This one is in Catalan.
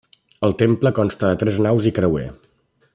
El temple consta de tres naus i creuer.